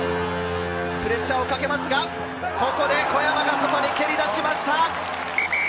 プレッシャーをかけますが、ここで小山が外に蹴り出しました！